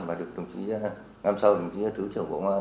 và được đồng chí ngăn sau đồng chí thủ trưởng bộ công an